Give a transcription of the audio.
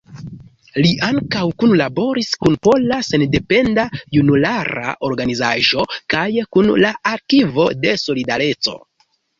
Li ankaŭ kunlaboris kun Pola Sendependa Junulara Organizaĵo kaj kun la Arkivo de Solidareco.